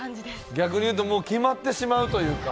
逆に言うともう決まってしまうというか。